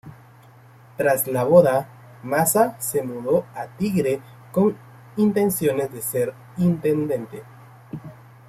Tras la boda, Massa se mudó a Tigre, con intenciones de ser intendente.